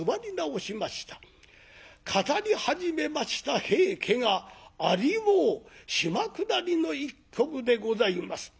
語り始めました『平家』が有王島下りの一曲でございます。